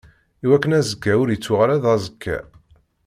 Iwakken azekka ur ittuɣal ara d aẓekka.